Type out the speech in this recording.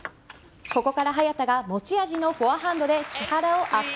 ここから早田が持ち味のフォアハンドで木原を圧倒。